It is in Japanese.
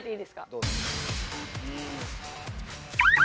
どうぞ。